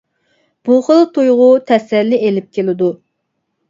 بۇ خىل تۇيغۇ تەسەللى ئېلىپ كېلىدۇ.